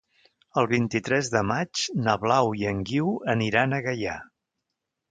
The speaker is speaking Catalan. El vint-i-tres de maig na Blau i en Guiu aniran a Gaià.